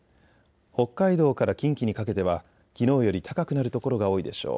北海道から近畿にかけてはきのうより高くなる所が多いでしょう。